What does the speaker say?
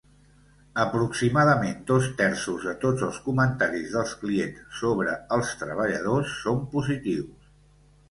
Aproximadament dos terços de tots els comentaris dels clients sobre els treballadors són positius.